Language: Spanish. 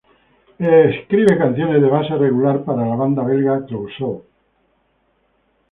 Él escribe canciones de base regular para la banda belga Clouseau.